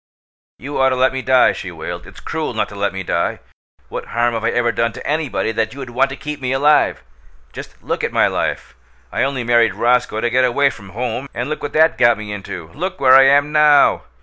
"You ought to let me die!" she wailed. "It's cruel not to let me die! What harm have I ever done to anybody that you want to keep me alive? Just look at my life! I only married Roscoe to get away from home, and look what that got me into! look where I am now!